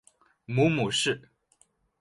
母母氏。